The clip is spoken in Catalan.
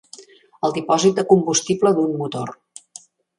El dipòsit de combustible d'un motor.